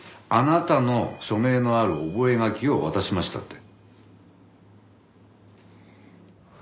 あなたの署名のある覚書を渡しましたって。